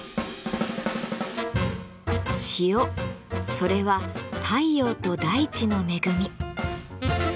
それは太陽と大地の恵み。